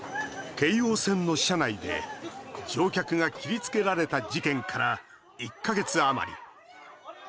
京王線の車内で乗客が切りつけられた事件から１か月余り。